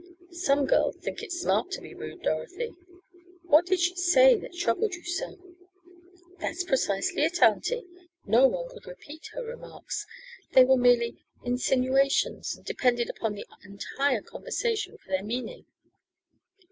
"Some girls think it smart to be rude, Dorothy. What did she say that troubled you so?" "That's precisely it, auntie, no one could repeat her remarks. They were merely insinuations and depended upon the entire conversation for their meaning."